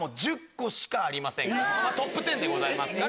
トップ１０でございますから。